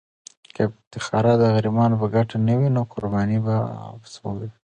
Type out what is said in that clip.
که افتخارات د غریبانو په ګټه نه وي، نو قرباني به عبث وي.